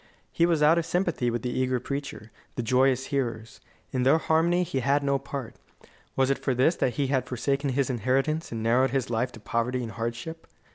He was out of sympathy with the eager preacher, the joyous hearers. In their harmony he had no part. Was it for this that he had forsaken his inheritance and narrowed his life to poverty and hardship?